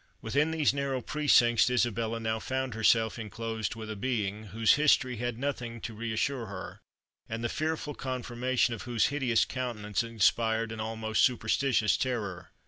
Within these narrow precincts Isabella now found herself enclosed with a being, whose history had nothing to reassure her, and the fearful conformation of whose hideous countenance inspired an almost superstitious terror.